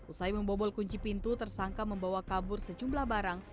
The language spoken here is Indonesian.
usai membobol kunci pintu tersangka membawa kabur sejumlah barang